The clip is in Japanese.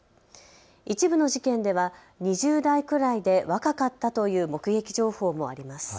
一部の事件では２０代くらいで若かったという目撃情報もあります。